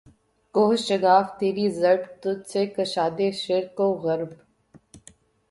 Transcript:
کوہ شگاف تیری ضرب تجھ سے کشاد شرق و غرب